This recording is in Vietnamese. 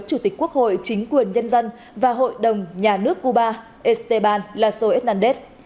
chủ tịch quốc hội chính quyền nhân dân và hội đồng nhà nước cuba esteban lasso hernández